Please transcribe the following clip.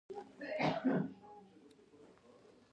انګور د افغانستان د چاپیریال ساتنې لپاره مهم دي.